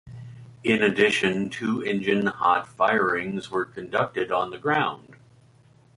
In addition, two engine hot firings were conducted on the ground.